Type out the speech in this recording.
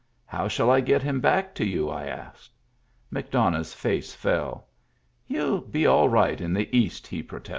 "How shall I get him back to you?" I asked. McDonough's face fell. " He'll be all right in" the East," he protested.